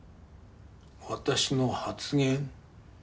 私の発言？